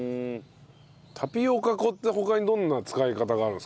タピオカ粉って他にどんな使い方があるんですか？